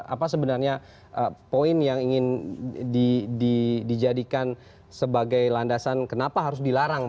apa sebenarnya poin yang ingin dijadikan sebagai landasan kenapa harus dilarang